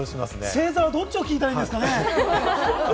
星座はどっちを聞いたらいいんですかね？